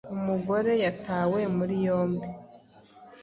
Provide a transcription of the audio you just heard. Umugore yatawe muri yombi